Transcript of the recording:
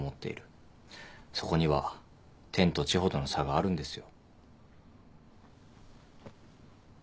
そこには天と地ほどの差があるんですよ。